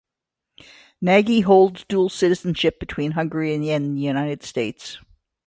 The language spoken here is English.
Nagy holds dual citizenship between Hungary and the United States.